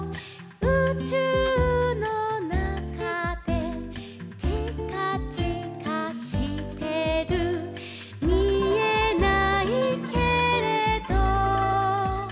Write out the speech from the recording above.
「うちゅうのなかで」「ちかちかしてる」「みえないけれど」